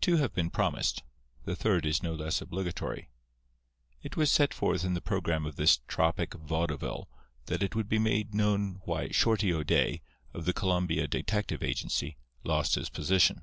Two have been promised: the third is no less obligatory. It was set forth in the programme of this tropic vaudeville that it would be made known why Shorty O'Day, of the Columbia Detective Agency, lost his position.